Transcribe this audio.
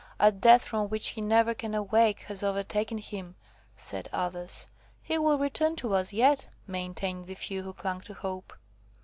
"A death from which he never can awake, has overtaken him," said others. "He will return to us yet," maintained the few who clung to hope.